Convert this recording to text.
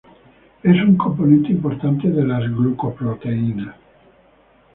Es un componente importante de las glucoproteínas.